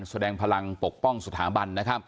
แสดงพลังปกป้องสถาบัน